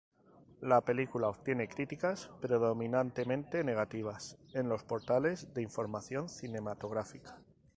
La película obtiene críticas predominantemente negativas en los portales de información cinematográfica.